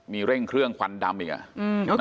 มีเร่งเครื่องควันดำอีกอ่ะ